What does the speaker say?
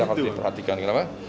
ya harus diperhatikan kenapa